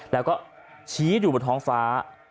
แล้วก็ชี้ดูบนท้องฟ้า